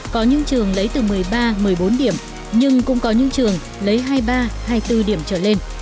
có những trường lấy từ một mươi ba một mươi bốn điểm nhưng cũng có những trường lấy hai mươi ba hai mươi bốn điểm trở lên